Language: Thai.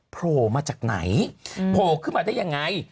โผล่มาจากไหนโผล่ขึ้นมาได้ยังไง